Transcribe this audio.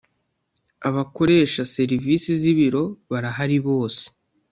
abakoresha serivisi z ‘ibiro barahari bose.